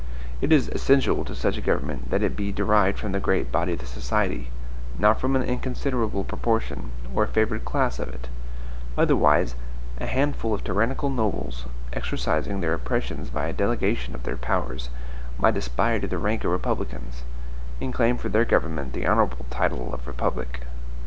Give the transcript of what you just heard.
It is ESSENTIAL to such a government that it be derived from the great body of the society, not from an inconsiderable proportion, or a favored class of it; otherwise a handful of tyrannical nobles, exercising their oppressions by a delegation of their powers, might aspire to the rank of republicans, and claim for their government the honorable title of republic.